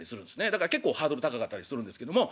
だから結構ハードル高かったりするんですけども。